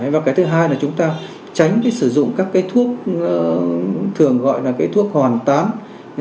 và cái thứ hai là chúng ta tránh cái sử dụng các cái thuốc thường gọi là cái thuốc hòn tán